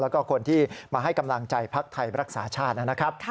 แล้วก็คนที่มาให้กำลังใจพักไทยรักษาชาตินะครับ